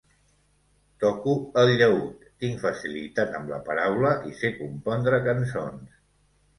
Toco el llaüt, tinc facilitat amb la paraula i sé compondre cançons.